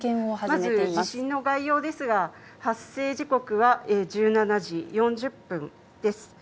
まず地震の概要ですが、発生時刻は１７時４０分です。